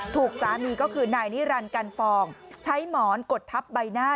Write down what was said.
ถูกสามีก็คือนายนิรันดิกันฟองใช้หมอนกดทับใบหน้า